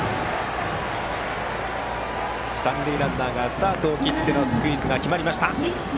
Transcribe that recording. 三塁ランナーがスタートを切ってスクイズが決まりました。